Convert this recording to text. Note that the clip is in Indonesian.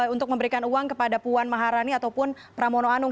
untuk memberikan uang kepada puan maharani ataupun pramono anung